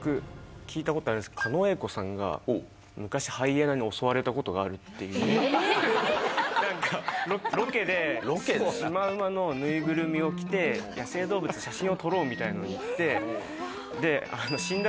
聞いたことあるんですけど狩野英孝さんが昔ハイエナに襲われたことがあるっていう何かロケでシマウマのぬいぐるみを着て野生動物と写真を撮ろうみたいなのに行ってで死んだ